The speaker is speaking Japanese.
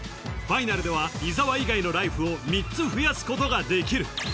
ファイナルでは伊沢以外のライフを３つ増やすことができる